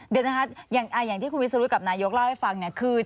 เดี๋ยวนะครับอย่างที่คุณวิสูฬุกับนายยกเล่าให้ฟัง